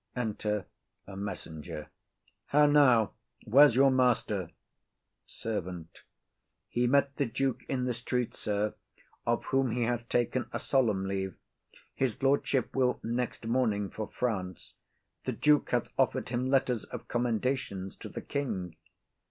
Enter a Messenger. How now? Where's your master? MESSENGER. He met the duke in the street, sir; of whom he hath taken a solemn leave: his lordship will next morning for France. The duke hath offered him letters of commendations to the king.